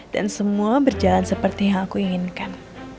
semua berjalan seperti yang aku inginkan